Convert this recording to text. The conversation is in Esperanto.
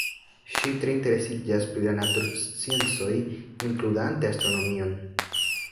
Ŝi tre interesiĝas pri la natursciencoj, inkludante astronomion.